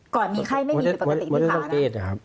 ก่อนมีไข้ไม่มีผิดปกติที่ขานะ